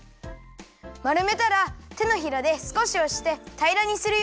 まるめたらてのひらですこしおしてたいらにするよ。